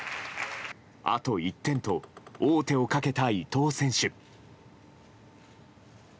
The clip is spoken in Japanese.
あと１点と、王手をかけた伊藤選手。